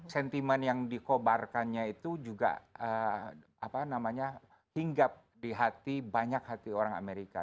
sentimen yang dikobarkannya itu juga hinggap di hati banyak hati orang amerika